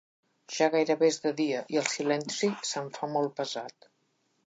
Ja gairebé és de dia i el silenci se'm fa molt pesat.